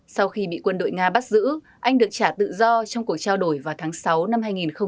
sau khi bị quân đội nga bắt giữ anh được trả tự do trong cuộc trao đổi vào tháng sáu năm hai nghìn một mươi chín